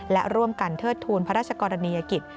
และร่วมกันเทิดทูลพระราชกรณียกิจ